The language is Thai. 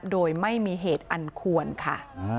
โดยไม่มีเหตุอันควรค่ะ